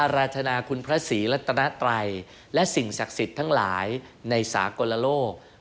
ราธนาคุณพระศรีรัตนาไตรและสิ่งศักดิ์สิทธิ์ทั้งหลายในสากลโลก